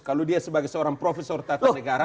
kalau dia sebagai seorang profesor tata negara